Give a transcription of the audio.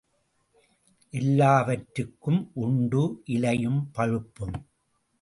எல்லாவற்றுக்கும் உண்டு இலையும் பழுப்பும்.